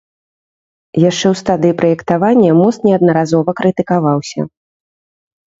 Яшчэ ў стадыі праектавання мост неаднаразова крытыкаваўся.